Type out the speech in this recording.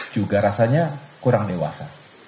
juga rasanya kurang dewasa